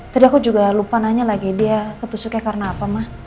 tadi aku juga lupa nanya lagi dia ketusuknya karena apa mah